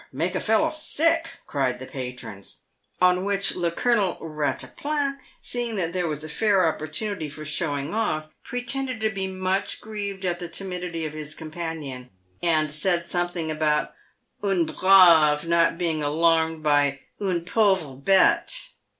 Make a fellow sick," cried the patrons ; on which le Colonel Eattaplan, seeing that there was a fair oppor tunity for showing off, pretended to be much grieved at the timidity of his companion, and said something about un brave not being alarmed by une pauvre bete.